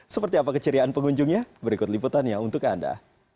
seperti apa keceriaan pengunjungnya berikut liputannya untuk anda